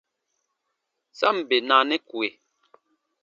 Sa ǹ bè naanɛ kue.